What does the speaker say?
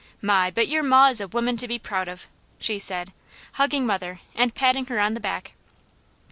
My, but your maw is a woman to be proud of!" she said, hugging mother and patting her on the back.